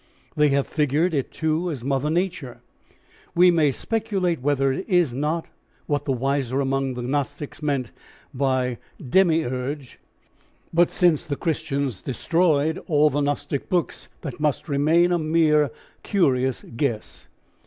They have figured it too as Mother Nature. We may speculate whether it is not what the wiser among the Gnostics meant by the Demiurge, but since the Christians destroyed all the Gnostic books that must remain a mere curious guess.